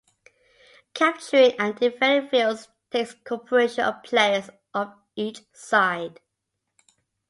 Capturing and defending fields takes cooperation of players of each side.